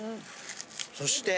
そして。